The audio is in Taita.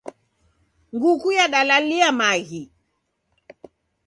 Nguku yadalalia maghi.